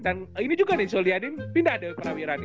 dan ini juga nih solyadin pindah ke rocky wiran nih